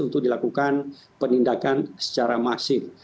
untuk dilakukan penindakan secara masif